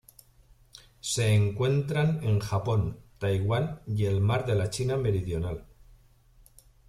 Se encuentran en Japón, Taiwán y el Mar de la China Meridional.